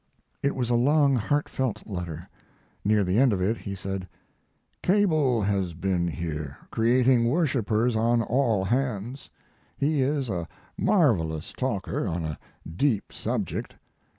It was a long, heartfelt letter. Near the end of it he said: Cable has been here, creating worshipers on all hands. He is a marvelous talker on a deep subject.